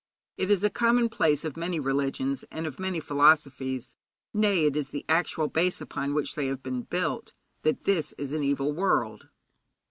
It is a commonplace of many religions, and of many philosophies nay, it is the actual base upon which they have been built, that this is an evil world.